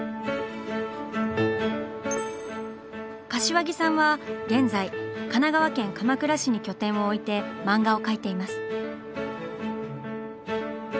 柏木さんは現在神奈川県鎌倉市に拠点を置いて漫画を描いています。